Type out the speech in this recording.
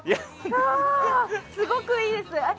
すごくいいです。